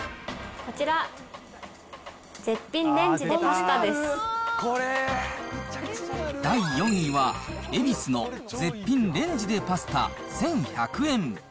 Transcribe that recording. こちら、第４位は、エビスの絶品レンジでパスタ１１００円。